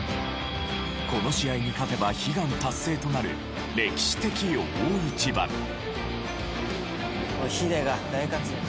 この試合に勝てば悲願達成となる歴史的大一番。ヒデが大活躍。